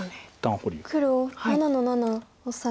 黒７の七オサエ。